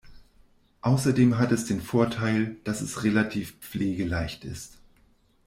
Außerdem hat es den Vorteil, dass es relativ pflegeleicht ist.